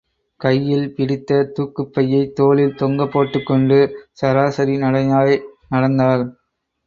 கையில் பிடித்த தூக்குப் பையைத் தோளில் தொங்கப்போட்டுக் கொண்டு, சராசரி நடையாய் நடந்தாள்.